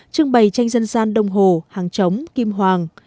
trưng bày tranh dân gian đông hồ hàng trống kim hoàng